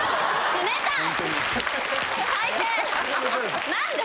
冷たい。